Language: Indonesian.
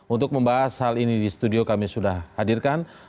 untuk membahas hal ini di studio kami sudah hadirkan